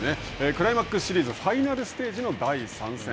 クライマックスシリーズファイナルステージの第３戦。